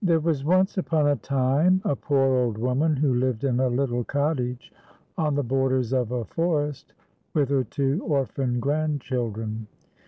was once upon a time, a poor old woman, who lived in a little cottage on the borders of a forest, with her two orphan grandchildren.